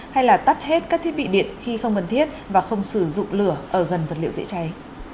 hay là tắt hết các thiết bị điện khi không cần thiết và không sử dụng lửa ở gần vật liệu dễ cháy